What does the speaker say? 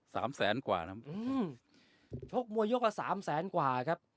สามแสนกว่านั้นอืมชกมวยยกละสามแสนกว่าครับ